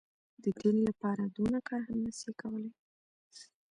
د دين لپاره دونه کار هم نه سي کولاى.